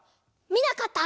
みなかった？